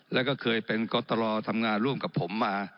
แล้วก็เคยเป็นกตรทำงานร่วมกับผมมา